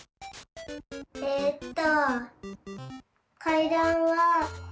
えっと。